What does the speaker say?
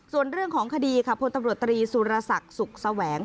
ส่วนเรื่องของคดีค่ะพลตำรวจตรีสุรศักดิ์สุขแสวง